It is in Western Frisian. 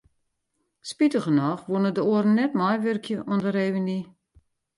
Spitigernôch woene de oaren net meiwurkje oan de reüny.